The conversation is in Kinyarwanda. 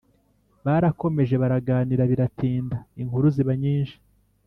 barakomeje baraganira biratinda ,inkuru ziba nyinshi